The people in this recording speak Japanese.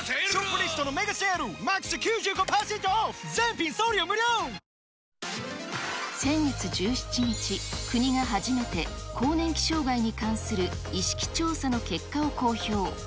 土日、先月１７日、国が初めて更年期障害に関する意識調査の結果を公表。